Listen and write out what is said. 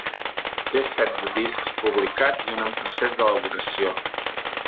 Té setze discs publicats i un en procés d’elaboració.